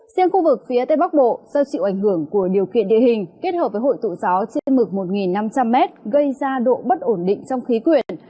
riêng khu vực phía tây bắc bộ do chịu ảnh hưởng của điều kiện địa hình kết hợp với hội tụ gió trên mực một năm trăm linh m gây ra độ bất ổn định trong khí quyển